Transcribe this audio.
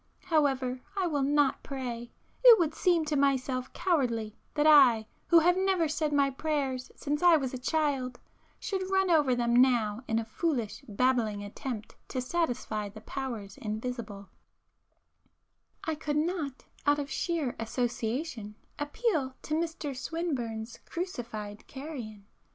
However I will not pray,—it would seem to myself cowardly that I who have never said my prayers since I was a child, should run over them now in a foolish babbling attempt to satisfy the powers invisible,—I could not, out of sheer association, appeal to Mr Swinburne's 'crucified carrion'!